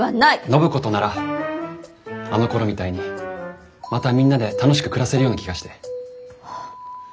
暢子とならあのころみたいにまたみんなで楽しく暮らせるような気がして。